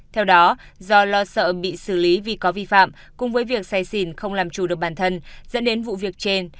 theo đó do lo sợ bị xử lý vì có vi phạm cùng với việc say xỉn không làm chủ được bản thân dẫn đến vụ việc trên